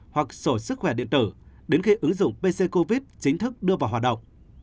hoặc sổ sức khỏe điện tử đến khi ứng dụng pc covid chính thức đưa vào hoạt động